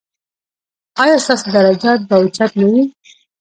ایا ستاسو درجات به اوچت نه وي؟